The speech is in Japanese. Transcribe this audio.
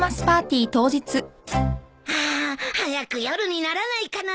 ああ早く夜にならないかな。